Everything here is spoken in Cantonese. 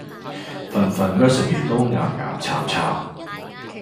份份 resume 都岩岩巉巉